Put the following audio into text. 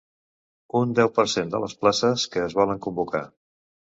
Un deu per cent de les places que es volen convocar.